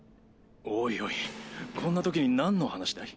おいおいこんなときになんの話だい？